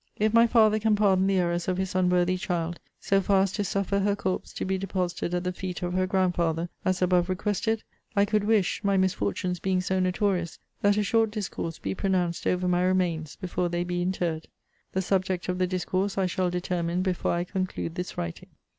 If my father can pardon the errors of his unworthy child, so far as to suffer her corpse to be deposited at the feet of her grandfather, as above requested, I could wish (my misfortunes being so notorious) that a short discourse be pronounced over my remains, before they be interred. The subject of the discourse I shall determine before I conclude this writing.